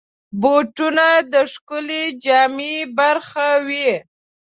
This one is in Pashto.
بوټونه د ښکلې جامې برخه وي.